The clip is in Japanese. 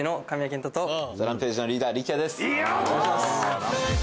お願いします。